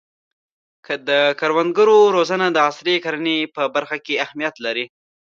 د کروندګرو روزنه د عصري کرنې په برخه کې اهمیت لري.